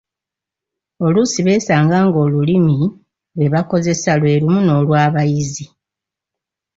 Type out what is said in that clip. Oluusi beesanga ng’Olulimi lwe bakozesa lwe lumu n’olwabayizi.